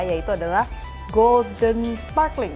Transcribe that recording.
yaitu adalah golden sparkling